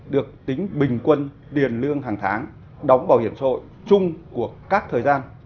được tính bình quân tiền lương hàng tháng đóng bảo hiểm xã hội chung của các thời gian